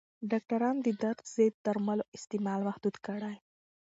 ډاکټران د درد ضد درملو استعمال محدود کړی.